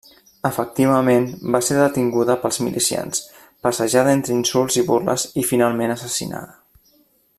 Efectivament, va ser detinguda pels milicians, passejada entre insults i burles, i finalment assassinada.